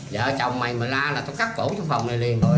vợ chồng mày mà la là tao cắt cổ trong phòng này liền